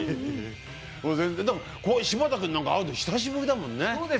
全然、柴田君なんか、会うの久しぶりだもんね。